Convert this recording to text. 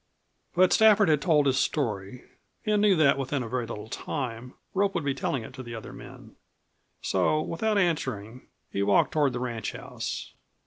But Stafford had told his story and knew that within a very little time Rope would be telling it to the other men. So without answering he walked toward the ranchhouse.